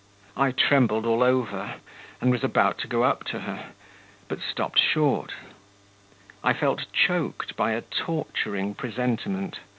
I trembled all over, was about to go up to her, but stopped short. I felt choked by a torturing presentiment.